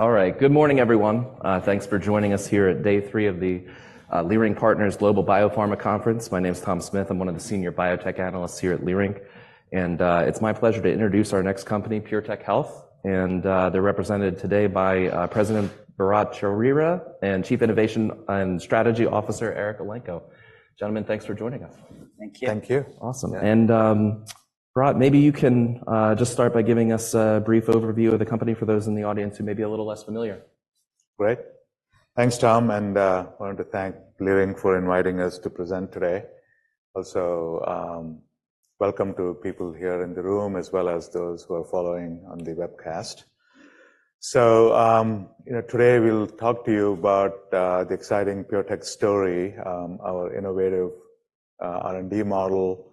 All right. Good morning, everyone. Thanks for joining us here at day three of the Leerink Partners Global Biopharma Conference. My name is Tom Smith. I'm one of the senior biotech analysts here at Leerink, and it's my pleasure to introduce our next company, PureTech Health, and they're represented today by President Bharatt Chowrira and Chief Innovation and Strategy Officer Eric Elenko. Gentlemen, thanks for joining us. Thank you. Thank you. Awesome. Yeah. Bharatt, maybe you can just start by giving us a brief overview of the company for those in the audience who may be a little less familiar. Great. Thanks, Tom, and I wanted to thank Leerink for inviting us to present today. Also, welcome to people here in the room, as well as those who are following on the webcast. So, you know, today, we'll talk to you about the exciting PureTech story, our innovative R&D model,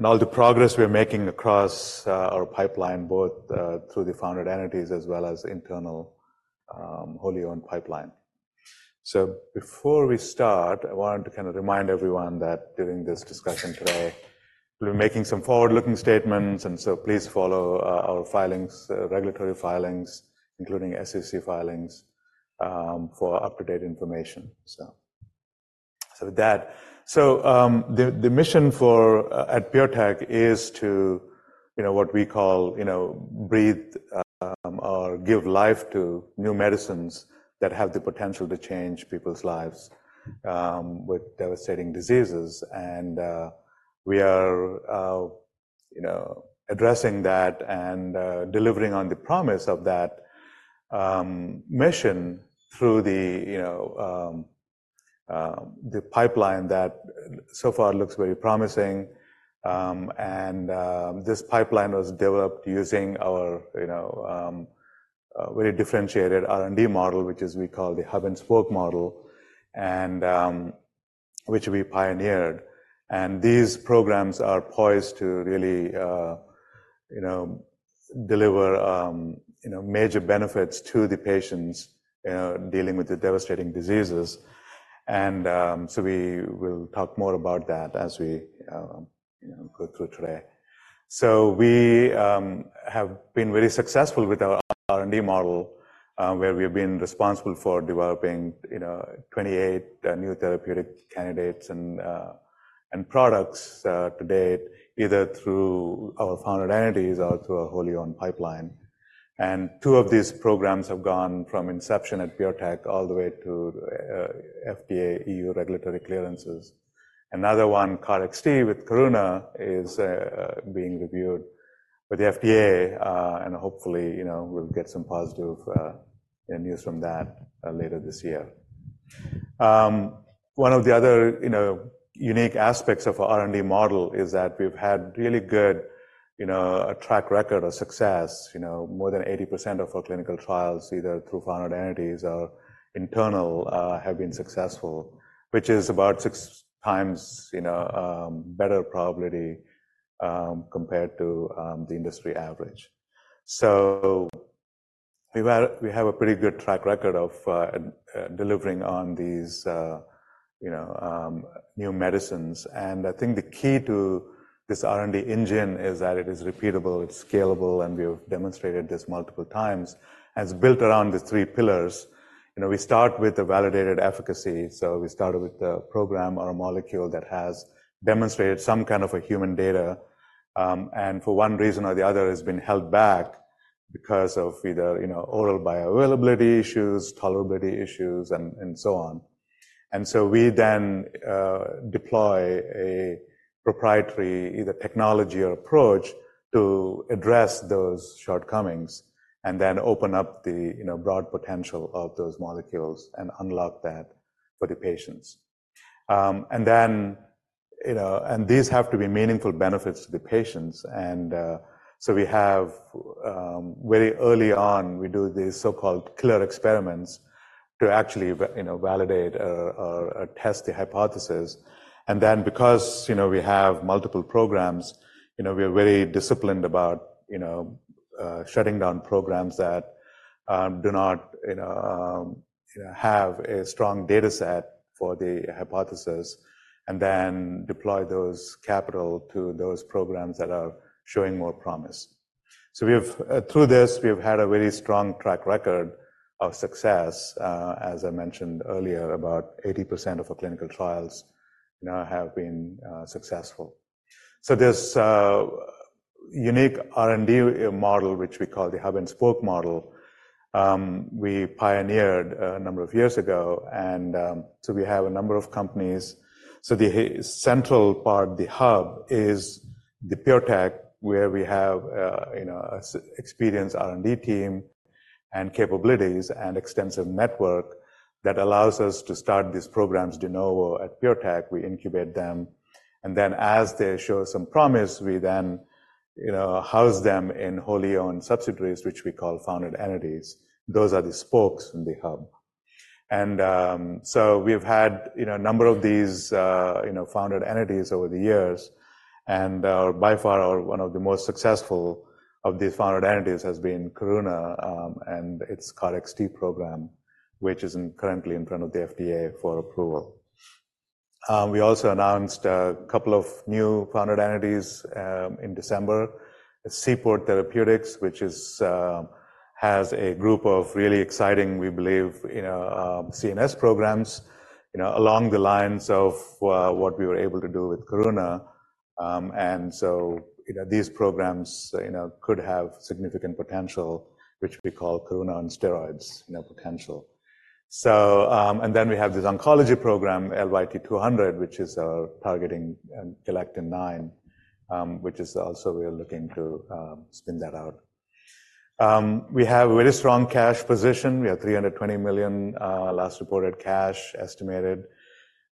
and all the progress we are making across our pipeline, both through the founded entities as well as internal wholly-owned pipeline. So before we start, I wanted to kinda remind everyone that during this discussion today, we'll be making some forward-looking statements, and so please follow our filings, regulatory filings, including SEC filings, for up-to-date information, so. So with that, the mission for at PureTech is to, you know, what we call, you know, breathe or give life to new medicines that have the potential to change people's lives with devastating diseases. And we are, you know, addressing that and delivering on the promise of that mission through the, you know, the pipeline that so far looks very promising. And this pipeline was developed using our, you know, very differentiated R&D model, which we call the hub-and-spoke model, and which we pioneered. And these programs are poised to really, you know, deliver, you know, major benefits to the patients, you know, dealing with the devastating diseases. And so we will talk more about that as we, you know, go through today. So we have been very successful with our R&D model, where we've been responsible for developing, you know, 28 new therapeutic candidates and products to date, either through our founded entities or through our wholly-owned pipeline. Two of these programs have gone from inception at PureTech all the way to FDA, EU regulatory clearances. Another one, KarXT with Karuna, is being reviewed by the FDA, and hopefully, you know, we'll get some positive news from that later this year. One of the other, you know, unique aspects of our R&D model is that we've had really good, you know, a track record of success. You know, more than 80% of our clinical trials, either through founded entities or internal, have been successful, which is about six times, you know, better probability, compared to the industry average. So we have, we have a pretty good track record of delivering on these, you know, new medicines, and I think the key to this R&D engine is that it is repeatable, it's scalable, and we have demonstrated this multiple times, as built around the three pillars. You know, we start with the validated efficacy, so we start with a program or a molecule that has demonstrated some kind of a human data, and for one reason or the other, has been held back because of either, you know, oral bioavailability issues, tolerability issues, and so on. So we then deploy a proprietary, either technology or approach, to address those shortcomings and then open up the, you know, broad potential of those molecules and unlock that for the patients. And then, you know, these have to be meaningful benefits to the patients, and, so we have. Very early on, we do these so-called killer experiments to actually, you know, validate or test the hypothesis. And then, because, you know, we have multiple programs, you know, we are very disciplined about, you know, shutting down programs that do not, you know, have a strong data set for the hypothesis, and then deploy those capital to those programs that are showing more promise. So we have, through this, we have had a very strong track record of success. As I mentioned earlier, about 80% of our clinical trials, you know, have been successful. So this unique R&D model, which we call the hub-and-spoke model, we pioneered a number of years ago, and so we have a number of companies. So the central part, the hub, is the PureTech, where we have, you know, an experienced R&D team, and capabilities, and extensive network that allows us to start these programs de novo. At PureTech, we incubate them, and then as they show some promise, we then, you know, house them in wholly-owned subsidiaries, which we call founded entities. Those are the spokes in the hub. So we've had, you know, a number of these, you know, founded entities over the years, and, by far, our one of the most successful of these founded entities has been Karuna, and its KarXT program, which is currently in front of the FDA for approval. We also announced a couple of new founded entities in December. Seaport Therapeutics, which has a group of really exciting, we believe, you know, CNS programs, you know, along the lines of, what we were able to do with Karuna. And so, you know, these programs, you know, could have significant potential, which we call Karuna on steroids, you know, potential. So, and then we have this oncology program, LYT-200, which is targeting galectin-9, which we are also looking to spin that out. We have a very strong cash position. We have 320 million last reported cash, estimated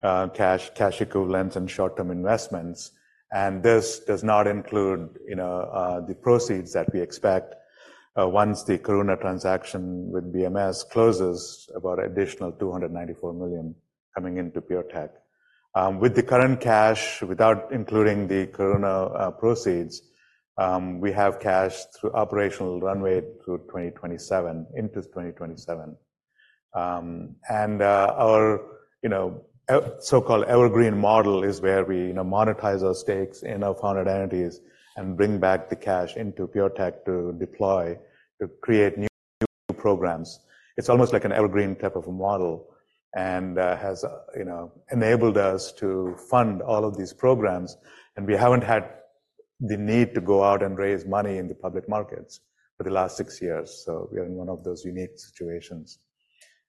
cash, cash equivalents, and short-term investments. And this does not include, you know, the proceeds that we expect once the Karuna transaction with BMS closes, about additional 294 million coming into PureTech. With the current cash, without including the Karuna proceeds, we have cash through operational runway through 2027, into 2027. And our, you know, so-called evergreen model is where we, you know, monetize our stakes in our founded entities and bring back the cash into PureTech to deploy, to create new programs. It's almost like an evergreen type of a model and has, you know, enabled us to fund all of these programs, and we haven't had the need to go out and raise money in the public markets for the last six years. So we are in one of those unique situations.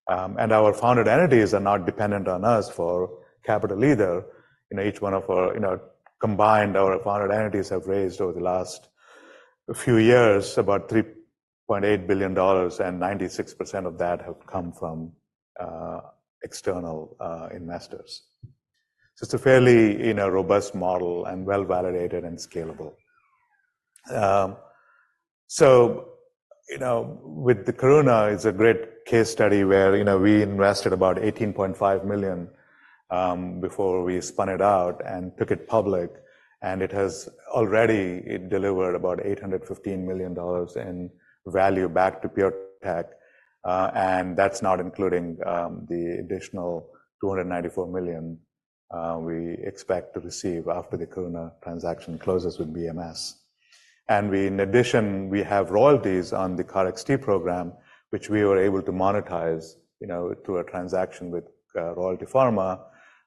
Our Founded Entities are not dependent on us for capital either. You know, each one of our, you know, combined, our Founded Entities have raised over the last few years, about $3.8 billion, and 96% of that have come from external investors. So it's a fairly, you know, robust model and well-validated and scalable. So, you know, with the Karuna, it's a great case study where, you know, we invested about $18.5 million before we spun it out and took it public, and it has already delivered about $815 million in value back to PureTech. And that's not including the additional $294 million we expect to receive after the Karuna transaction closes with BMS. And we, in addition, we have royalties on the KarXT program, which we were able to monetize, you know, through a transaction with Royalty Pharma,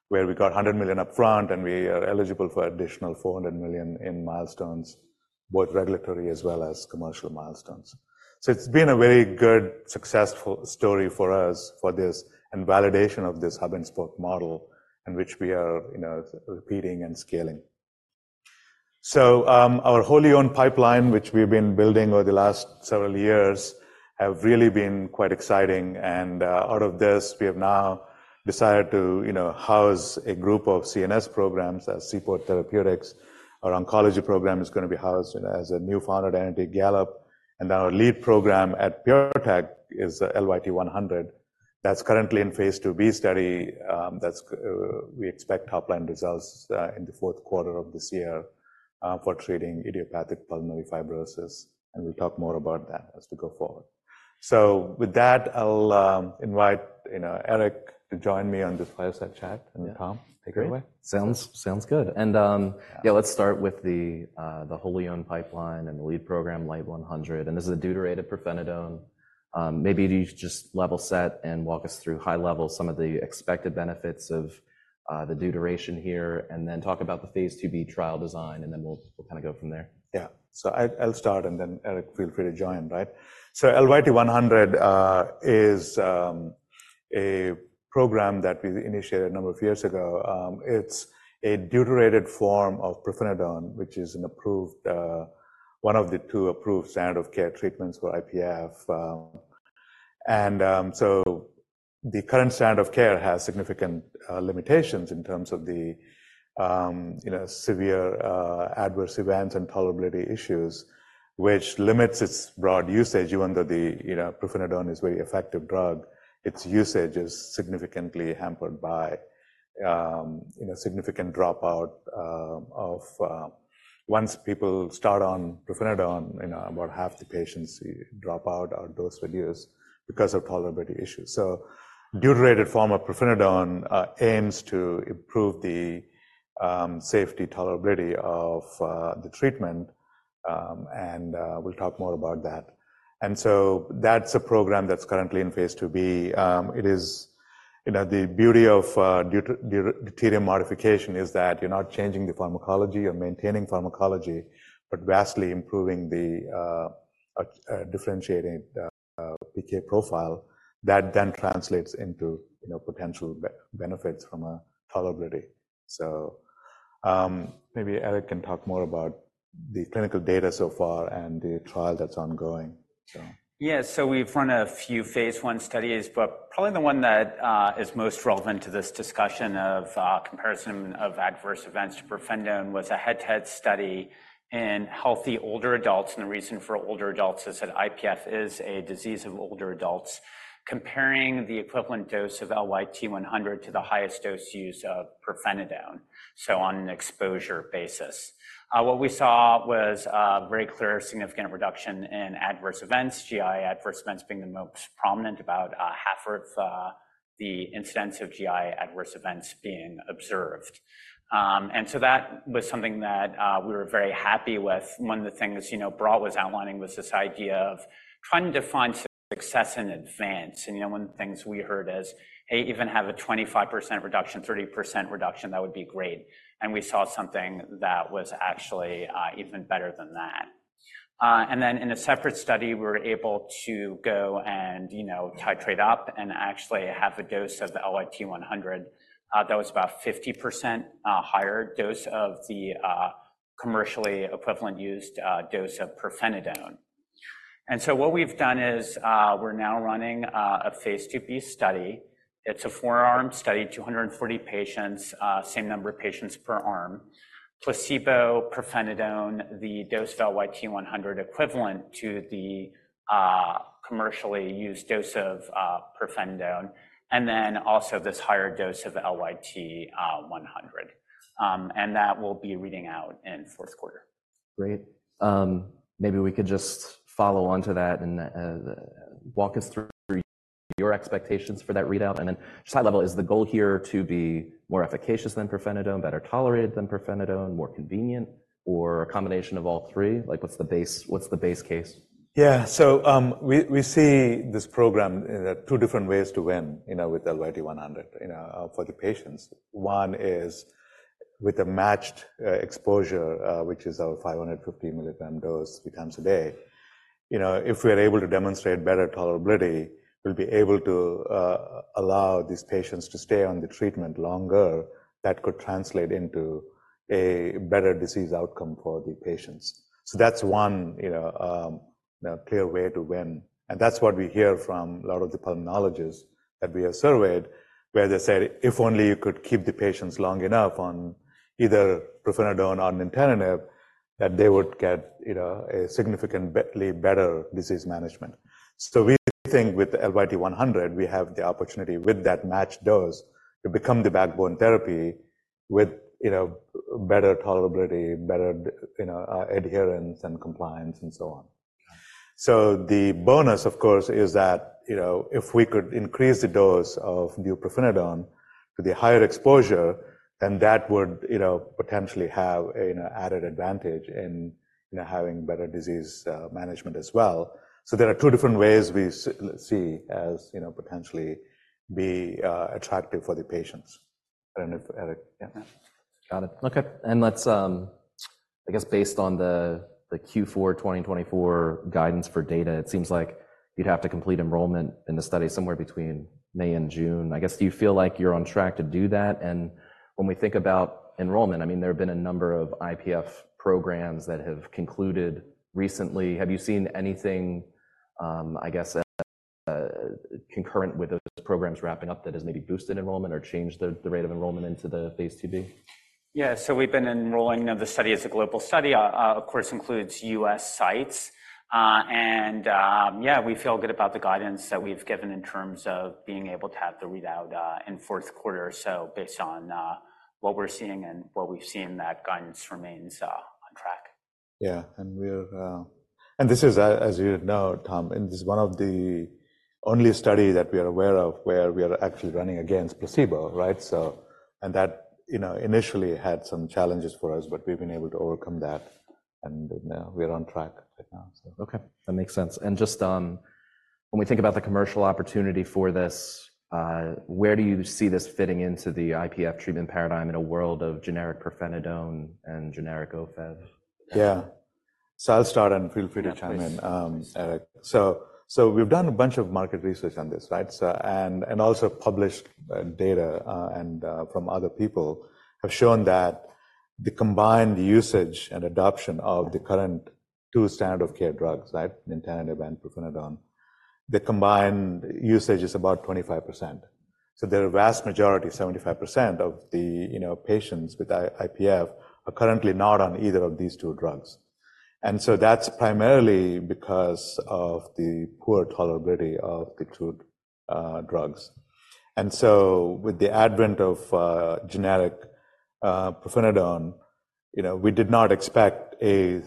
where we got $100 million upfront, and we are eligible for additional $400 million in milestones, both regulatory as well as commercial milestones. So it's been a very good, successful story for us for this and validation of this hub-and-spoke model in which we are, you know, repeating and scaling. So, our wholly-owned pipeline, which we've been building over the last several years, have really been quite exciting. And, out of this, we have now decided to, you know, house a group of CNS programs at Seaport Therapeutics. Our oncology program is gonna be housed as a new founded entity, Gallop Oncology, and our lead program at PureTech is LYT-100. That's currently in phase II-B study. That's, we expect top-line results, in the fourth quarter of this year, for treating idiopathic pulmonary fibrosis, and we'll talk more about that as we go forward. So with that, I'll, invite, you know, Eric to join me on the fireside chat and Tom, take it away. Sounds, sounds good. And, yeah, let's start with the wholly-owned pipeline and the lead program, LYT-100. And this is a deuterated pirfenidone. Maybe you just level set and walk us through high level, some of the expected benefits of the deuteration here, and then talk about the phase II-B trial design, and then we'll, we'll kinda go from there. Yeah. So I, I'll start, and then Eric, feel free to join, right? So LYT-100 is a program that we initiated a number of years ago. It's a deuterated form of pirfenidone, which is an approved one of the two approved standard of care treatments for IPF. And so the current standard of care has significant limitations in terms of the you know severe adverse events and tolerability issues, which limits its broad usage, even though the you know pirfenidone is a very effective drug, its usage is significantly hampered by you know significant dropout of once people start on pirfenidone, you know, about half the patients drop out or dose reduce because of tolerability issues. So deuterated form of pirfenidone aims to improve the safety tolerability of the treatment, and we'll talk more about that. So that's a program that's currently in phase II-B. You know, the beauty of deuterium modification is that you're not changing the pharmacology, you're maintaining pharmacology, but vastly improving the differentiating PK profile. That then translates into, you know, potential benefits from tolerability. So maybe Eric can talk more about the clinical data so far and the trial that's ongoing. So... Yes, so we've run a few phase I studies, but probably the one that is most relevant to this discussion of comparison of adverse events to pirfenidone was a head-to-head study in healthy older adults. The reason for older adults is that IPF is a disease of older adults, comparing the equivalent dose of LYT-100 to the highest dose use of pirfenidone, so on an exposure basis. What we saw was very clear, significant reduction in adverse events, GI adverse events being the most prominent, about half of the incidence of GI adverse events being observed. And so that was something that we were very happy with. One of the things, you know, Bharatt was outlining was this idea of trying to define success in advance. You know, one of the things we heard is, "Hey, even have a 25% reduction, 30% reduction, that would be great." And we saw something that was actually even better than that. And then in a separate study, we were able to go and, you know, titrate up and actually have a dose of the LYT-100 that was about 50% higher dose of the commercially equivalent used dose of pirfenidone. And so what we've done is, we're now running a phase II-B study. It's a 4-arm study, 240 patients, same number of patients per arm. Placebo pirfenidone, the dose of LYT-100, equivalent to the commercially used dose of pirfenidone, and then also this higher dose of LYT-100. And that will be reading out in fourth quarter. Great. Maybe we could just follow on to that and walk us through your expectations for that readout, and then just high level, is the goal here to be more efficacious than pirfenidone, better tolerated than pirfenidone, more convenient, or a combination of all three? Like, what's the base, what's the base case? Yeah. So, we see this program in two different ways to win, you know, with LYT-100, you know, for the patients. One is with a matched exposure, which is our 550 mg dose, 2x a day. You know, if we are able to demonstrate better tolerability, we'll be able to allow these patients to stay on the treatment longer. That could translate into a better disease outcome for the patients. So that's one, you know, clear way to win, and that's what we hear from a lot of the pulmonologists that we have surveyed, where they said, "If only you could keep the patients long enough on either pirfenidone or nintedanib, that they would get, you know, a significantly better disease management." So we think with the LYT-100, we have the opportunity, with that matched dose, to become the backbone therapy with, you know, better tolerability, better you know, adherence and compliance, and so on. So the bonus, of course, is that, you know, if we could increase the dose of deupirfenidone to the higher exposure, then that would, you know, potentially have an added advantage in, you know, having better disease, management as well. So there are two different ways we see as, you know, potentially be attractive for the patients. I don't know if, Eric... Yeah. Got it. Okay, and let's, I guess based on the, the Q4 2024 guidance for data, it seems like you'd have to complete enrollment in the study somewhere between May and June. I guess, do you feel like you're on track to do that? And when we think about enrollment, I mean, there have been a number of IPF programs that have concluded recently. Have you seen anything, I guess, concurrent with those programs wrapping up that has maybe boosted enrollment or changed the, the rate of enrollment into the phase II-B? Yeah. So we've been enrolling. The study is a global study, of course, includes U.S. sites. Yeah, we feel good about the guidance that we've given in terms of being able to have the readout in fourth quarter. So based on what we're seeing and what we've seen, that guidance remains on track. Yeah, and we're. And this is, as you know, Tom, and this is one of the only study that we are aware of where we are actually running against placebo, right? So, and that, you know, initially had some challenges for us, but we've been able to overcome that, and we are on track right now, so. Okay, that makes sense. And just, when we think about the commercial opportunity for this, where do you see this fitting into the IPF treatment paradigm in a world of generic pirfenidone and generic Ofev? Yeah. So I'll start, and feel free to chime in- Yeah, please. Eric. So we've done a bunch of market research on this, right? And also published data from other people have shown that the combined usage and adoption of the current two standard of care drugs, right, nintedanib and pirfenidone, the combined usage is about 25%. So the vast majority, 75%, of the, you know, patients with IPF are currently not on either of these two drugs. And so that's primarily because of the poor tolerability of the two drugs. And so with the advent of generic pirfenidone, you know, we did not expect a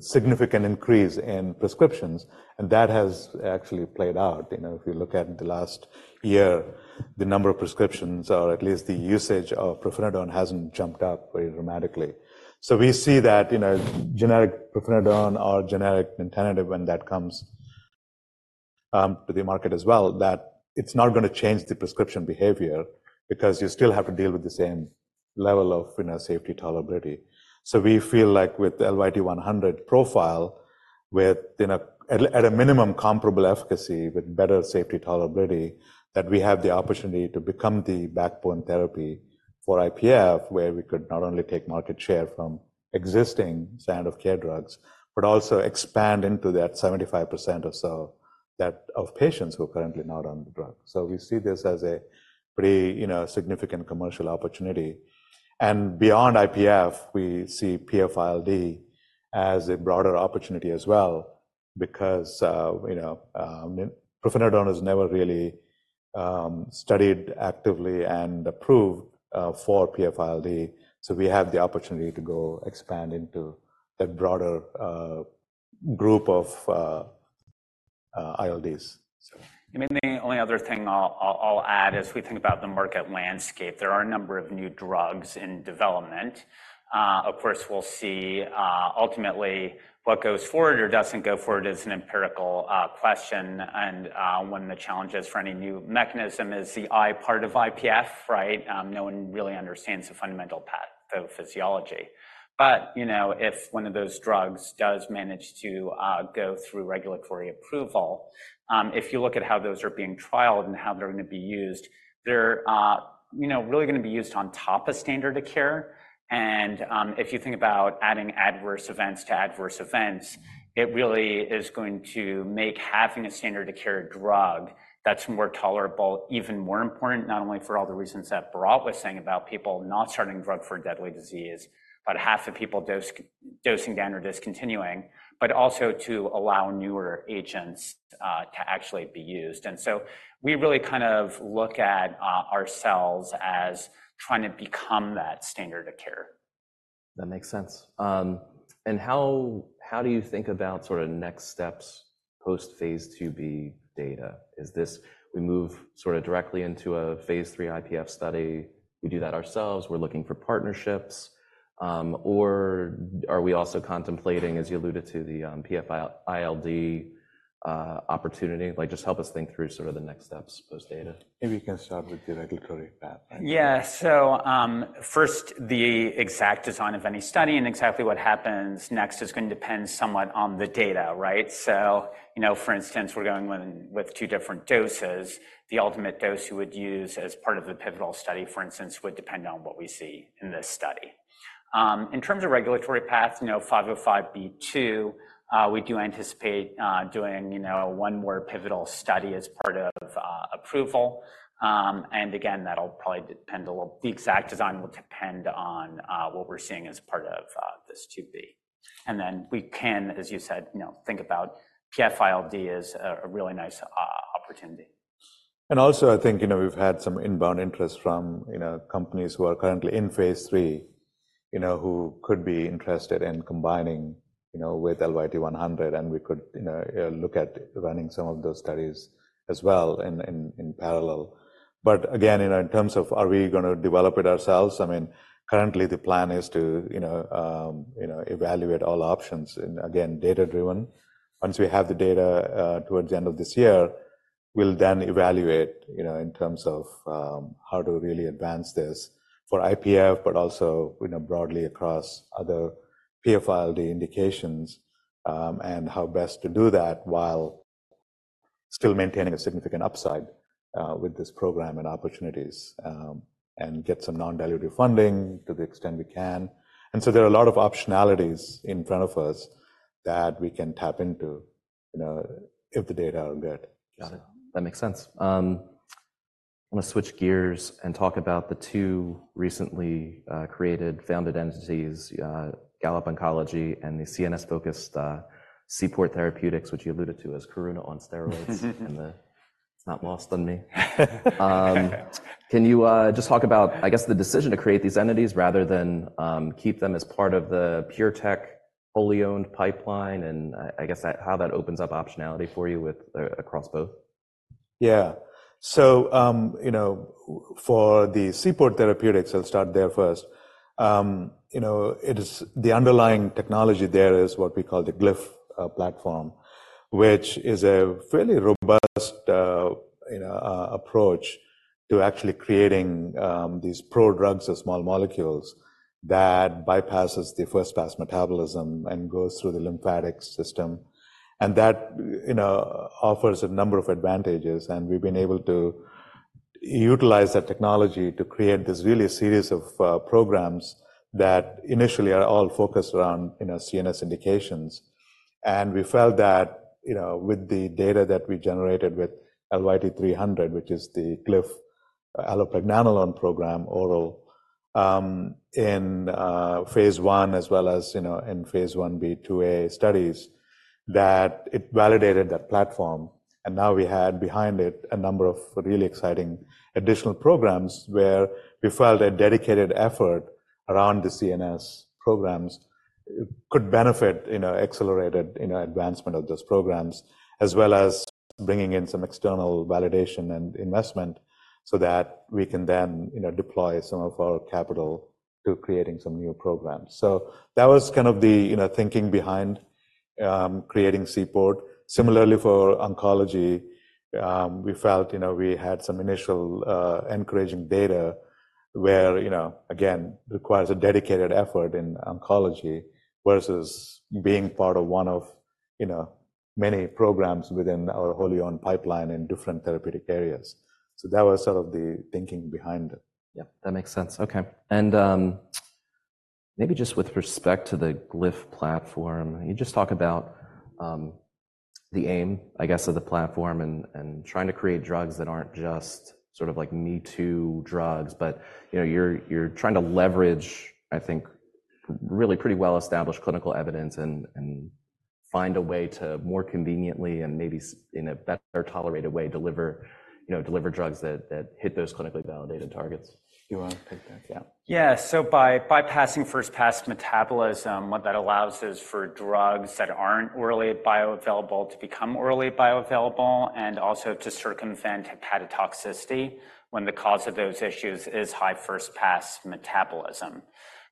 significant increase in prescriptions, and that has actually played out. You know, if you look at the last year, the number of prescriptions, or at least the usage of pirfenidone, hasn't jumped up very dramatically. So we see that, you know, generic pirfenidone or generic nintedanib, when that comes to the market as well, that it's not gonna change the prescription behavior because you still have to deal with the same level of, you know, safety tolerability. So we feel like with the LYT-100 profile, with, you know, at a minimum, comparable efficacy, with better safety tolerability, that we have the opportunity to become the backbone therapy for IPF, where we could not only take market share from existing standard of care drugs, but also expand into that 75% or so of patients who are currently not on the drug. So we see this as a pretty, you know, significant commercial opportunity. And beyond IPF, we see PF-ILD as a broader opportunity as well because, you know, pirfenidone is never really studied actively and approved for PF-ILD. So we have the opportunity to go expand into that broader group of ILDs. So- I mean, the only other thing I'll add as we think about the market landscape, there are a number of new drugs in development. Of course, we'll see, ultimately, what goes forward or doesn't go forward is an empirical question. One of the challenges for any new mechanism is the I part of IPF, right? No one really understands the fundamental pathophysiology. But, you know, if one of those drugs does manage to go through regulatory approval, if you look at how those are being trialed and how they're gonna be used, they're, you know, really gonna be used on top of standard of care. If you think about adding adverse events to adverse events, it really is going to make having a standard of care drug that's more tolerable, even more important, not only for all the reasons that Bharatt was saying about people not starting drug for a deadly disease, but half the people dose, dosing down or discontinuing, but also to allow newer agents to actually be used. And so we really kind of look at ourselves as trying to become that standard of care. That makes sense. And how do you think about sort of next steps post phase II-B data? Is this we move sorta directly into a phase III IPF study, we do that ourselves, we're looking for partnerships, or are we also contemplating, as you alluded to, the PF-ILD opportunity? Like, just help us think through sort of the next steps post data. Maybe you can start with the regulatory path. Yeah. So, first, the exact design of any study and exactly what happens next is gonna depend somewhat on the data, right? So, you know, for instance, we're going with two different doses. The ultimate dose you would use as part of the pivotal study, for instance, would depend on what we see in this study. In terms of regulatory paths, you know, 505(b)(2), we do anticipate doing, you know, one more pivotal study as part of approval. And again, that'll probably depend a little. The exact design will depend on what we're seeing as part of this IIb. And then we can, as you said, you know, think about PF-ILD as a really nice opportunity. Also, I think, you know, we've had some inbound interest from, you know, companies who are currently in phase III, you know, who could be interested in combining, you know, with LYT-100, and we could, you know, look at running some of those studies as well in parallel. But again, you know, in terms of are we gonna develop it ourselves, I mean, currently, the plan is to, you know, evaluate all options, and again, data-driven. Once we have the data, towards the end of this year, we'll then evaluate, you know, in terms of, how to really advance this for IPF, but also, you know, broadly across other PF-ILD indications, and how best to do that while still maintaining a significant upside, with this program and opportunities, and get some non-dilutive funding to the extent we can. And so there are a lot of optionalities in front of us that we can tap into, you know, if the data are good. Got it. That makes sense. I'm gonna switch gears and talk about the two recently created founded entities, Gallop Oncology and the CNS-focused Seaport Therapeutics, which you alluded to as Karuna on steroids - and, it's not lost on me. Can you just talk about, I guess, the decision to create these entities rather than keep them as part of the PureTech wholly owned pipeline, and I, I guess that - how that opens up optionality for you with across both? Yeah. So, you know, for the Seaport Therapeutics, I'll start there first. You know, it is-- the underlying technology there is what we call the Glyph platform, which is a fairly robust, you know, approach to actually creating these prodrugs or small molecules that bypasses the first-pass metabolism and goes through the lymphatic system. And that, you know, offers a number of advantages, and we've been able to utilize that technology to create this really a series of programs that initially are all focused around, you know, CNS indications. And we felt that, you know, with the data that we generated with LYT-300, which is the Glyph allopregnanolone program, oral, in phase I, as well as, you know, in phase I-B/II-A studies, that it validated that platform. And now we had behind it a number of really exciting additional programs, where we felt a dedicated effort around the CNS programs could benefit, you know, accelerated, you know, advancement of those programs, as well as bringing in some external validation and investment so that we can then, you know, deploy some of our capital to creating some new programs. So that was kind of the, you know, thinking behind creating Seaport. Similarly, for oncology, we felt, you know, we had some initial encouraging data where, you know, again, requires a dedicated effort in oncology versus being part of one of, you know, many programs within our wholly owned pipeline in different therapeutic areas. So that was sort of the thinking behind it. Yeah, that makes sense. Okay, and maybe just with respect to the Glyph platform, can you just talk about the aim, I guess, of the platform and trying to create drugs that aren't just sort of like me-too drugs, but, you know, you're trying to leverage, I think, really pretty well-established clinical evidence and find a way to more conveniently and maybe in a better-tolerated way, deliver, you know, deliver drugs that hit those clinically validated targets. You wanna take that? Yeah. Yeah. So by bypassing first-pass metabolism, what that allows is for drugs that aren't orally bioavailable to become orally bioavailable, and also to circumvent hepatotoxicity when the cause of those issues is high first-pass metabolism.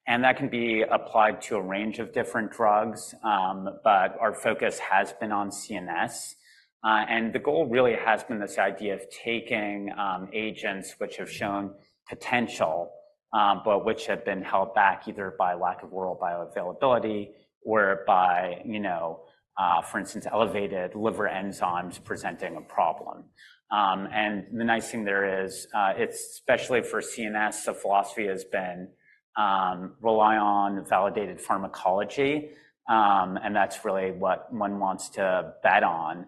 And that can be applied to a range of different drugs, but our focus has been on CNS. And the goal really has been this idea of taking agents which have shown potential, but which have been held back either by lack of oral bioavailability or by, you know, for instance, elevated liver enzymes presenting a problem. And the nice thing there is, it's especially for CNS, the philosophy has been rely on validated pharmacology, and that's really what one wants to bet on.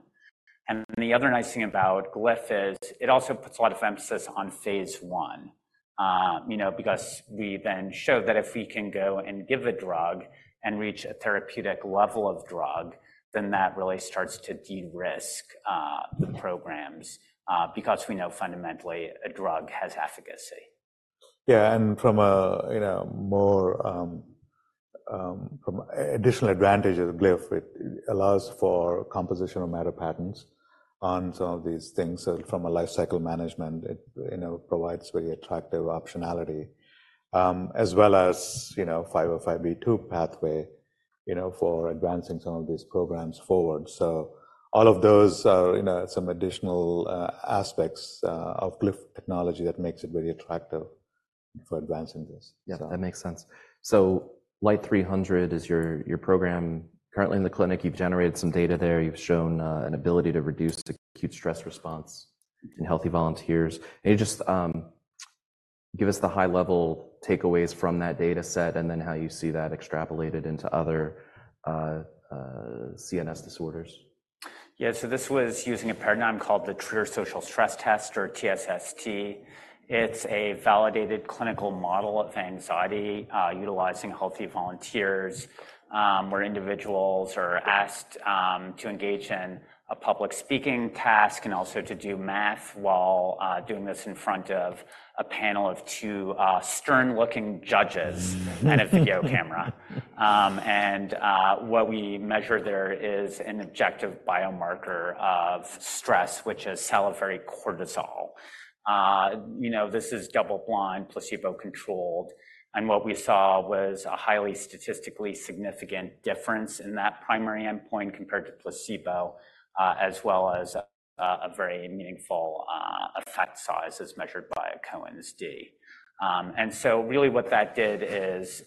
And the other nice thing about Glyph is it also puts a lot of emphasis on phase I. you know, because we then show that if we can go and give a drug and reach a therapeutic level of drug, then that really starts to de-risk the programs, because we know fundamentally a drug has efficacy. From additional advantage of Glyph, it allows for composition of matter patents on some of these things. So from a lifecycle management, it, you know, provides very attractive optionality, as well as, you know, 505(b)(2) pathway, you know, for advancing some of these programs forward. So all of those are, you know, some additional aspects of Glyph technology that makes it very attractive for advancing this. Yeah, that makes sense. So LYT-300 is your program currently in the clinic. You've generated some data there. You've shown an ability to reduce acute stress response in healthy volunteers. Can you just give us the high-level takeaways from that data set, and then how you see that extrapolated into other CNS disorders? Yeah. So this was using a paradigm called the Trier Social Stress Test or TSST. It's a validated clinical model of anxiety, utilizing healthy volunteers, where individuals are asked to engage in a public speaking task and also to do math while doing this in front of a panel of two stern-looking judges and a video camera. What we measure there is an objective biomarker of stress, which is salivary cortisol. You know, this is double-blind, placebo-controlled, and what we saw was a highly statistically significant difference in that primary endpoint compared to placebo, as well as a very meaningful effect size as measured by a Cohen's d. And so really what that did is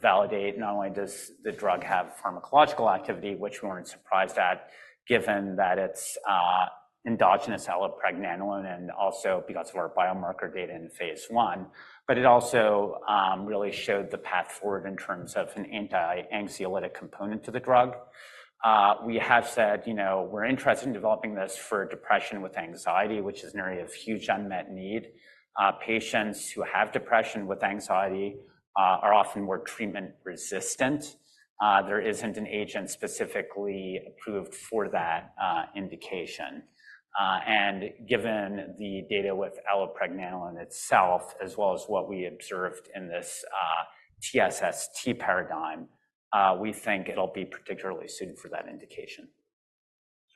validate not only does the drug have pharmacological activity, which we weren't surprised at, given that it's endogenous allopregnanolone, and also because of our biomarker data in phase I, but it also really showed the path forward in terms of an anti-anxiolytic component to the drug. We have said, you know, we're interested in developing this for depression with anxiety, which is an area of huge unmet need. Patients who have depression with anxiety are often more treatment resistant. There isn't an agent specifically approved for that indication. And given the data with allopregnanolone itself, as well as what we observed in this TSST paradigm, we think it'll be particularly suited for that indication.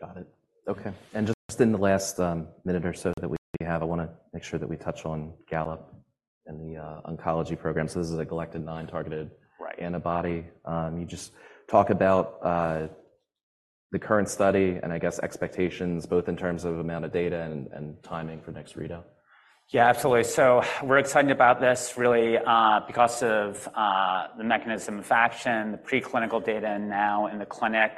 Got it. Okay, and just in the last minute or so that we have, I wanna make sure that we touch on Gallop and the oncology program. So this is a galectin-9 targeted- Right - antibody. Can you just talk about the current study and I guess, expectations, both in terms of amount of data and timing for next readout? Yeah, absolutely. So we're excited about this really, because of the mechanism of action, the preclinical data, and now in the clinic,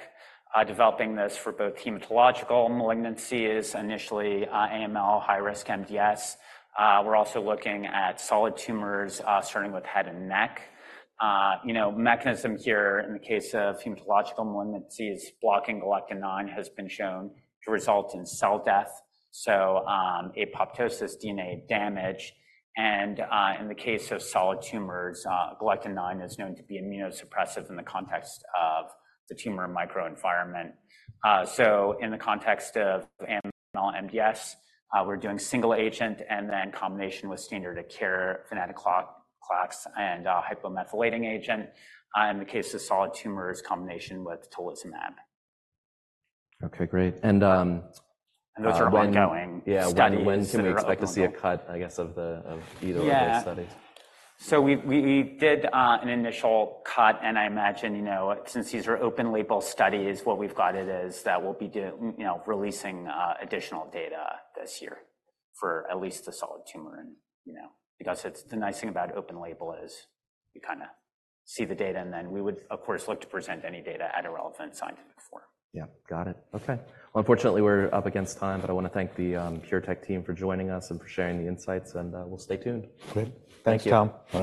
developing this for both hematological malignancies, initially, AML, high-risk MDS. We're also looking at solid tumors, starting with head and neck. You know, mechanism here in the case of hematological malignancies, blocking galectin-9 has been shown to result in cell death, so, apoptosis, DNA damage. And, in the case of solid tumors, galectin-9 is known to be immunosuppressive in the context of the tumor microenvironment. So in the context of AML and MDS, we're doing single agent and then combination with standard of care, venetoclax, and, hypomethylating agent. In the case of solid tumors, combination with tislelizumab. Okay, great, and Those are ongoing- Yeah. Studies. When can we expect to see a cut, I guess, of the either- Yeah of those studies? So we did an initial cut, and I imagine, you know, since these are open label studies, what we've guided is that we'll be, you know, releasing additional data this year for at least the solid tumor. And, you know, because it's the nice thing about open label is you kinda see the data, and then we would, of course, look to present any data at a relevant scientific forum. Yeah. Got it. Okay. Well, unfortunately, we're up against time, but I wanna thank the PureTech team for joining us and for sharing the insights, and we'll stay tuned. Great. Thank you. Thanks, Tom.